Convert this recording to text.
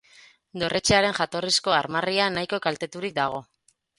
Dorretxearen jatorrizko armarria nahiko kalteturik dago.